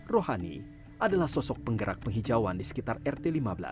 rohani adalah sosok penggerak penghijauan di sekitar rt lima belas